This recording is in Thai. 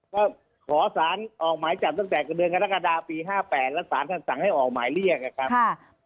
ก็ขอสารออกหมายจัดตั้งแต่เดือนคณะกระดาษ์ปีห้าแปดแล้วสารท่านสั่งให้ออกหมายเรียกอะครับค่ะ